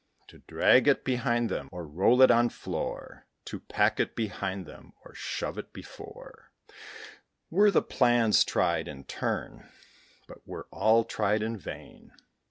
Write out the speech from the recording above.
To drag it behind them, or roll it on floor, To pack it behind them, or shove it before, Were the plans tried in turn, but were all tried in vain.